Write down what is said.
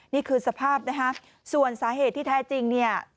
นี่คือสภาพนะคะส่วนสาเหตุที่แท้จริงเนี่ย